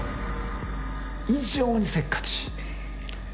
異常にせっかち。